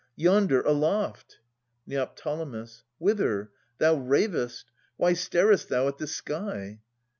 Yonder aloft ! Neo. Whither? Thou rav'st. Why starest thou at the sky?